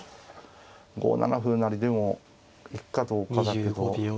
５七歩成でも行くかどうかだけど。